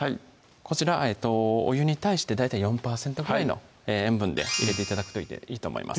こちらお湯に対して大体４％ぐらいの塩分で入れて頂くといいと思います